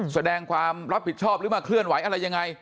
แสดงความรับผิดชอบหรือมาเคลื่อนไหวอะไรยังไง